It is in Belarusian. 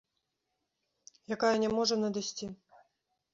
Якая не можа надысці.